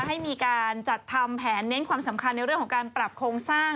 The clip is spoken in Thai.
ให้มีการจัดทำแผนเน้นความสำคัญในเรื่องของการปรับโครงสร้าง